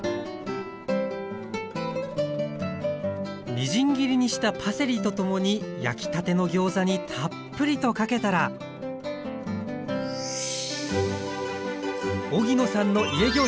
みじん切りにしたパセリとともに焼きたてのギョーザにたっぷりとかけたら荻野さんの「家ギョーザ」